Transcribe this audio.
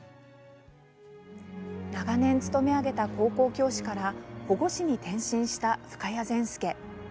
長年勤め上げた高校教師から保護司に転身した深谷善輔。